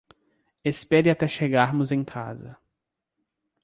Espere até chegarmos em casa.